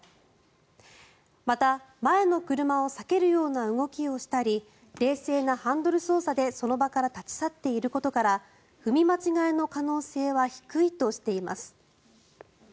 また、前の車を避けるような動きをしたり冷静なハンドル操作でその場から立ち去っていることから踏み間違えの可能性は低いとしています。